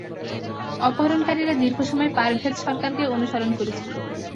অপহরণকারীরা দীর্ঘ সময় পারভেজ সরকারকে অনুসরণ করছিল।